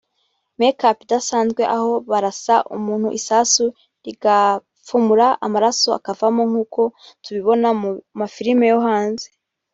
make up idasanzwe aho barasa umuntu isasu rigapfumura amaraso akavamo nk’uko tubibona mu mafilime yo hanze”